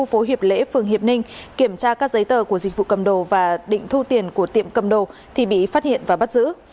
phố hiệp lễ phường hiệp ninh kiểm tra các giấy tờ của dịch vụ cầm đồ và định thu tiền của tiệm cầm đồ thì bị phát hiện và bắt giữ